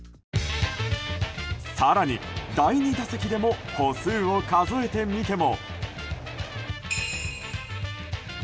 更に第２打席でも歩数を数えてみても。